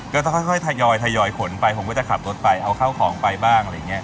ก็ต้องค่อยทยอยขนไปผมก็จะขับรถไปเอาข้าวของไปบ้างอะไรอย่างนี้